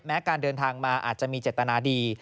การเดินทางมาอาจจะมีเจตนาดี